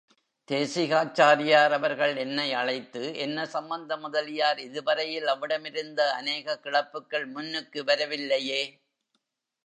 தேசிகாச்சாரியார் அவர்கள் என்னை அழைத்து, என்ன சம்பந்த முதலியார், இது வரையில் அவ்விடமிருந்த அநேக கிளப்புகள் முன்னுக்கு வரவில்லையே!